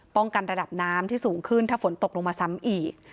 กันระดับน้ำที่สูงขึ้นถ้าฝนตกลงมาซ้ำอีก